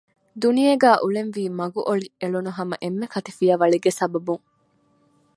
ދުނިޔޭގައި އުޅެންވީ މަގު އޮޅި އެޅުނު ހަމަ އެންމެ ކަތިފިޔަވަޅެއްގެ ސަބަބުން